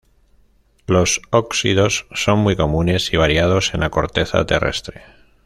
Los óxidos son muy comunes y variados en la corteza terrestre.